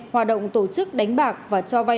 hoạt động tổ chức đánh bạc và cho vay